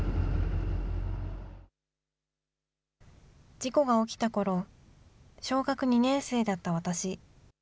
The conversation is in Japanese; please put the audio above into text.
事故が起きたころ、小学２年生だった私。